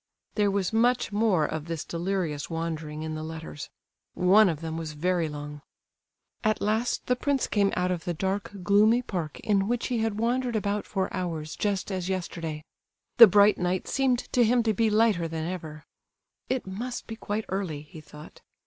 There was much more of this delirious wandering in the letters—one of them was very long. At last the prince came out of the dark, gloomy park, in which he had wandered about for hours just as yesterday. The bright night seemed to him to be lighter than ever. "It must be quite early," he thought.